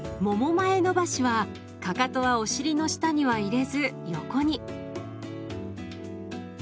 もも前伸ばしはかかとはお尻の下には入れず横に。